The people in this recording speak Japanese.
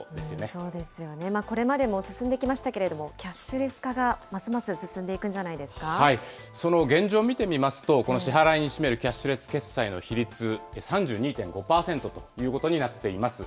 そうですよね、これまでも進んできましたけれども、キャッシュレス化がますます進んでいくんその現状見てみますと、この支払いに占めるキャッシュレス決済の比率、３２．５％ということになっています。